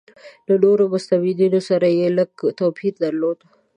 له نورو مستبدینو سره یې لږ توپیر درلود.